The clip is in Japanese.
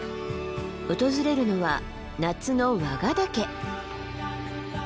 訪れるのは夏の和賀岳。